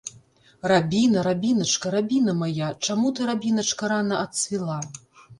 Рабіна, рабіначка, рабіна мая, чаму ты, рабіначка, рана адцвіла?